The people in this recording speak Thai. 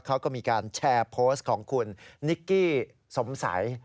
เขาก็มีการแชร์โพสต์ของคุณนิกกี้สงสัย